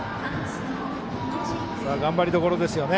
頑張りどころですよね。